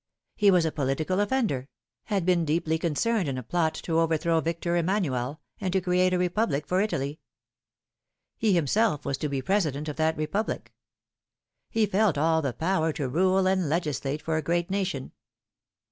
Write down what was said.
He was a political offender had been deeply concerned in a plot to overthrow Victor Emanuel, and to create a Republic for Italy. He himself was to be President of that Republic. He felt all the power to rule and legislate for a great nation.